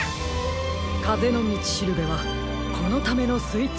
かぜのみちしるべはこのためのスイッチだったのです。